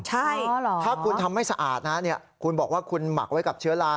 ใช่ถ้าคุณทำไม่สะอาดนะคุณบอกว่าคุณหมักไว้กับเชื้อลา